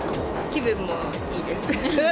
気分もいいです。